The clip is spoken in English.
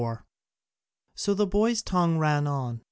4] So the boy's tongue ran on.